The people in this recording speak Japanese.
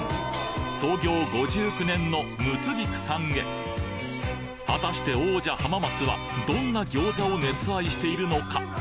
創業５９年のむつぎくさんへ果たして王者浜松はどんな餃子を熱愛しているのか？